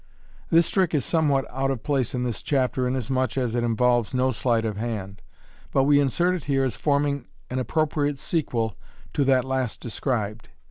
— This trick is somewhat out of place in this chapter, inasmuch as it involves no sleight of hand, but we insert it here as forming an appropriate sequel to that last described.